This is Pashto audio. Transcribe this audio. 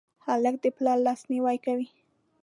هلک د پلار لاسنیوی کوي.